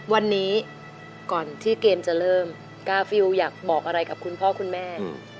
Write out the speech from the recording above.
วันนี้ก่อนที่เกมจะเริ่มกาฟิลอยากบอกอะไรกับคุณพ่อคุณแม่